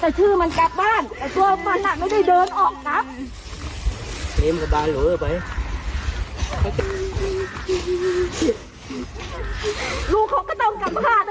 ลูกเขาก็ต้องกลับฆ่าตั้งแต่อยู่ในโทษ